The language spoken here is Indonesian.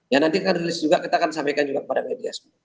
ya nanti akan rilis juga kita akan sampaikan juga kepada media semua